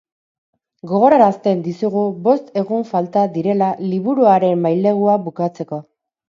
Gogorarazten dizugu bost egun falta direla liburuaren mailegua bukatzeko.